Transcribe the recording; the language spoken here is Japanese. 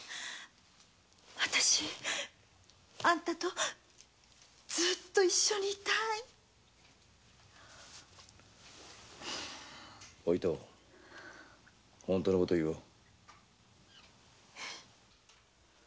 あんたとずっと一緒にいたいおいと本当の事を話そう。